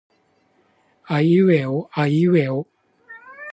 あいうえおあいうえお